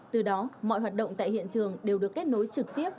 từ đó mọi hoạt động tại hiện trường đều được kết nối trực tiếp